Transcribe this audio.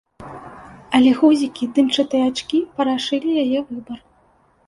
Але гузікі, дымчатыя ачкі парашылі яе выбар.